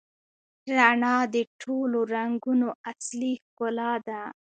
رڼا د ټولو رنګونو اصلي ښکلا ده.